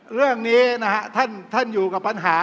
เรื่องนี้นะฮะท่านอยู่กับปัญหา